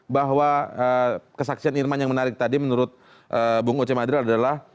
bahwa kesaksian irman yang menarik tadi menurut bung oce madril adalah